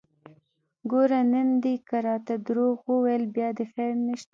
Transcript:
ګوره نن دې که راته دروغ وويل بيا دې خير نشته!